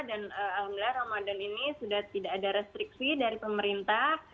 alhamdulillah ramadan ini sudah tidak ada restriksi dari pemerintah